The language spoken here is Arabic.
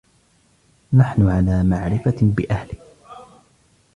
نحن على معرفة بأهله.